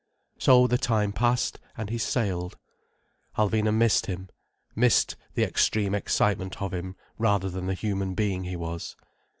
So the time passed, and he sailed. Alvina missed him, missed the extreme excitement of him rather than the human being he was.